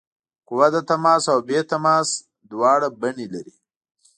قوه د تماس او بې تماس دواړه بڼې لري.